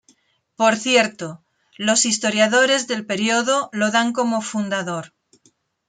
Por cierto, los historiadores del período lo dan como fundador.